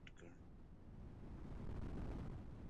تواب په ډبره لاس ونيو سر يې ټيټ کړ.